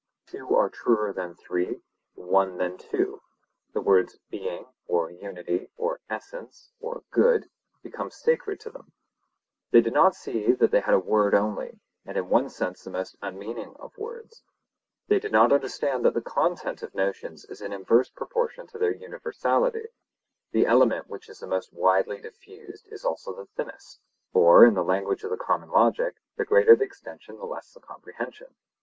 Two are truer than three, one than two. The words 'being,' or 'unity,' or essence,' or 'good,' became sacred to them. They did not see that they had a word only, and in one sense the most unmeaning of words. They did not understand that the content of notions is in inverse proportion to their universality—the element which is the most widely diffused is also the thinnest; or, in the language of the common logic, the greater the extension the less the comprehension.